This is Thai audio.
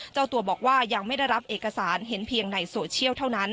เจ้าตัวบอกว่ายังไม่ได้รับเอกสารเห็นเพียงในโซเชียลเท่านั้น